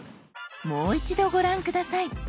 もう一度ご覧下さい。